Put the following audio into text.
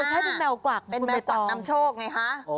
ใช่เป็นแมวกวักเป็นแมวกวักนำโชคไงคะ